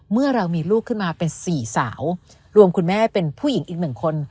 เมื่อเรามีลูกขึ้นมาเป็นสี่สาวรวมคุณแม่เป็นผู้หญิงอีกหนึ่งคน